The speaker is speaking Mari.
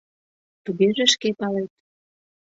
Тугеже шке палет.